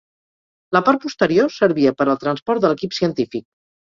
La part posterior servia per al transport de l'equip científic.